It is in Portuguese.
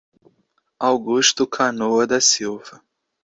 Augusto Canoa da Silva